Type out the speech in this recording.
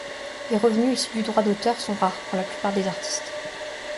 Les revenus issus du droit d’auteur sont rares pour la plupart des artistes.